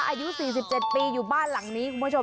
อายุ๔๗ปีอยู่บ้านหลังนี้คุณผู้ชม